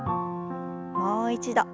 もう一度。